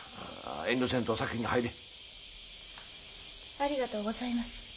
ありがとうございます。